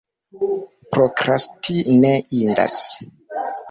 Prokrasti ne indas.